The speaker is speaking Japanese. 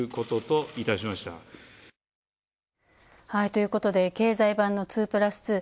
ということで、経済版の２プラス２。